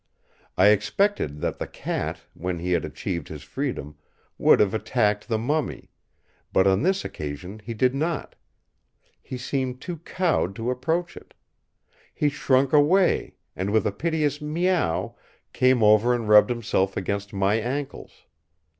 I expected that the cat, when he had achieved his freedom, would have attacked the mummy; but on this occasion he did not. He seemed too cowed to approach it. He shrunk away, and with a piteous "miaou" came over and rubbed himself against my ankles.